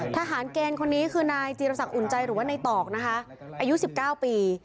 ทหารเกณฑ์คนนี้คือนายจีรศักดิอุ่นใจหรือว่าในตอกนะคะอายุ๑๙ปี